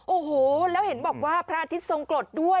โอ้โหแล้วเห็นบอกว่าพระอาทิตย์ทรงกรดด้วย